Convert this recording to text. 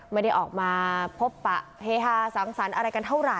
ไม่ได้ออกมาพบปะเฮฮาสังสรร